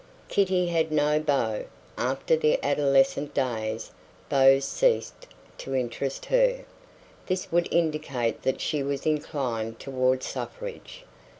Kitty had no beau. After the adolescent days beaux ceased to interest her. This would indicate that she was inclined toward suffrage.